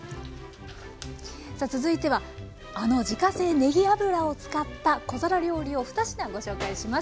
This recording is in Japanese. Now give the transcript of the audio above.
さあ続いてはあの自家製ねぎ油を使った小皿料理を２品ご紹介します。